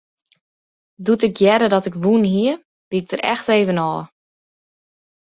Doe't ik hearde dat ik wûn hie, wie ik der echt even ôf.